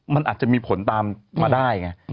มันอาจจะมีผลตามมาได้ไง